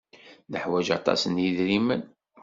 Neḥwaj aṭas n yidrimen?